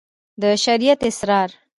د شريعت اسرار